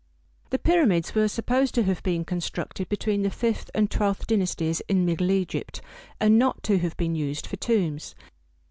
= the pyramids were supposed to have been constructed between the fifth and twelfth dynasties in Middle Egypt, and not to have been used for tombs.